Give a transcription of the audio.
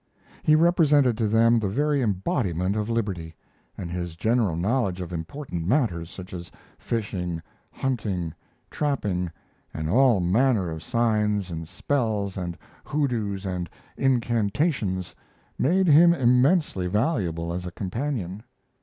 He represented to them the very embodiment of liberty, and his general knowledge of important matters, such as fishing, hunting, trapping, and all manner of signs and spells and hoodoos and incantations, made him immensely valuable as a companion.